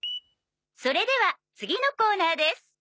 「それでは次のコーナーです」